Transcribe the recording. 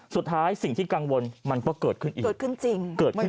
สิ่งที่กังวลมันก็เกิดขึ้นอีกเกิดขึ้นจริงเกิดขึ้น